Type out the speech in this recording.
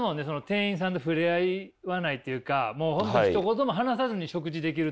店員さんと触れ合わないっていうかもう本当ひと言も話さずに食事できるところとか。